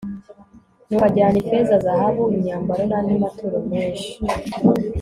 nuko ajyana ifeza, zahabu, imyambaro n'andi maturo menshi